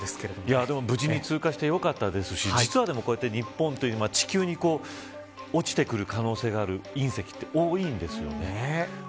でも無事に通過してよかったですし実は、日本というのは地球に落ちてくる可能性のある隕石は多いんですよね。